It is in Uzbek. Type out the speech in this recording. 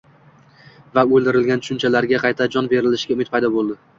va o‘ldirilgan tushunchalarga qayta jon berilishiga umid paydo bo‘ldi.